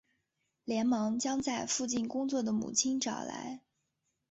连忙将在附近工作的母亲找来